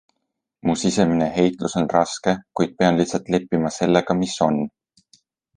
Mu sisemine heitlus on raske, kuid pean lihtsalt leppima sellega, mis on.